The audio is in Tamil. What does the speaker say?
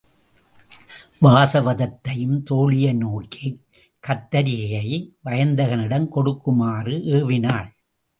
வாசவதத்தையும் தோழியை நோக்கிக் கத்தரிகையை வயந்தகனிடம் கொடுக்குமாறு ஏவினாள்.